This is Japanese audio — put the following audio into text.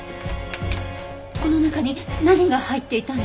この中に何が入っていたんですか？